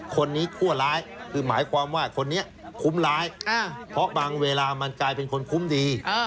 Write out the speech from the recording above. คนนี้ชั่วร้ายคือหมายความว่าคนนี้คุ้มร้ายเพราะบางเวลามันกลายเป็นคนคุ้มดี